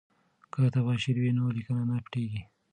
که تباشیر وي نو لیکنه نه پټیږي.